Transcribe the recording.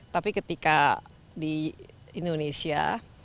tapi ketika di indonesia